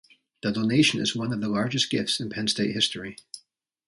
The donation is one of the largest gifts in Penn State history.